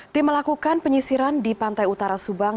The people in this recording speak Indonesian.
tim melakukan penyisiran di pantai utara subang